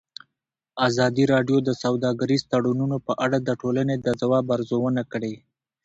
ازادي راډیو د سوداګریز تړونونه په اړه د ټولنې د ځواب ارزونه کړې.